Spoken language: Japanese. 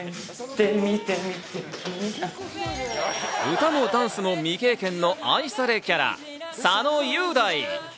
歌もダンスも未経験の愛されキャラ、佐野雄大。